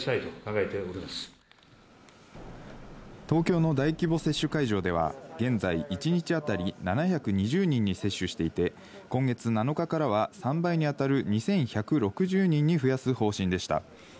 東京の大規模接種会場では現在、一日当たり７２０人に接種していて、今月７日からは３倍にあたる２１６０人に増やす方針でした。